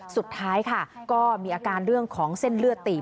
สุดท้ายค่ะก็มีอาการเรื่องของเส้นเลือดตีบ